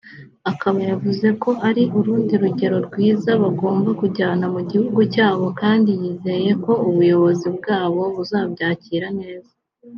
akaba yavuze ko ari urundi rugero rwiza bagomba kujyana mu gihugu cyabo kandi yizeyeko ubuyobozi bwabo buzabyakira neza